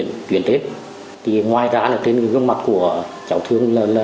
người nhà của cháu thương này